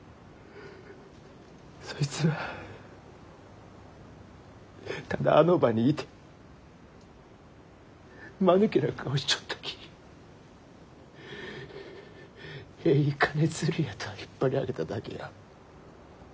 そいつはただあの場にいてまぬけな顔しちょったきえい金づるやと引っ張り上げただけや。